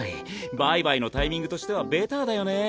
売買のタイミングとしてはベターだよね。